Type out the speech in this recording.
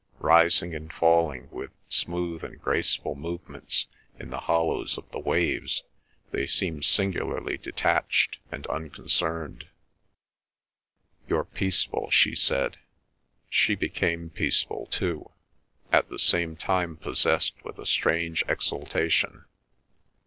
Rising and falling with smooth and graceful movements in the hollows of the waves they seemed singularly detached and unconcerned. "You're peaceful," she said. She became peaceful too, at the same time possessed with a strange exultation.